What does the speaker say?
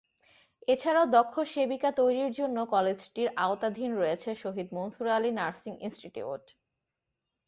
এছাড়াও দক্ষ সেবিকা তৈরির জন্য কলেজটির আওতাধীন রয়েছে শহীদ মনসুর আলী নার্সিং ইনস্টিটিউট।